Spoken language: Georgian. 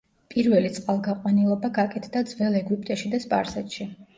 პირველი წყალგაყვანილობა გაკეთდა ძველ ეგვიპტეში და სპარსეთში.